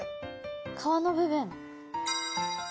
皮の部分。